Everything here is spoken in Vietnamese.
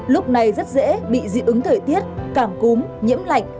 lúc này rất dễ bị dị ứng thời tiết cảm cúm nhiễm lạnh